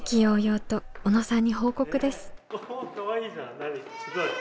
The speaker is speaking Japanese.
何すごい。